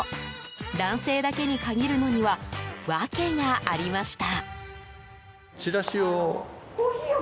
男性だけに限るのには訳がありました。